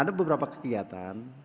ada beberapa kegiatan